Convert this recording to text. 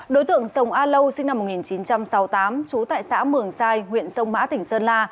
đối tượng sông a lâu sinh năm một nghìn chín trăm sáu mươi tám trú tại xã mường sai huyện sông mã tỉnh sơn la